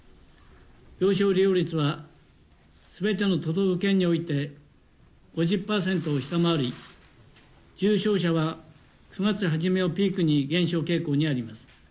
病床利用率は、すべての都道府県において５０％を下回り、重症者は９月初めをピークに減少傾向にあります。